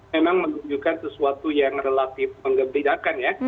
memang menunjukkan sesuatu yang relatif mengembirakan ya